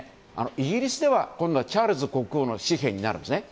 イギリスでは今度はチャールズ国王の紙幣になるんですね。